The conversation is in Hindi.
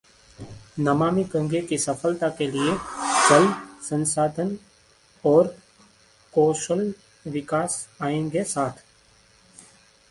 नमामि गंगे की सफलता के लिए जल संसाधन और कौशल विकास आएंगे साथ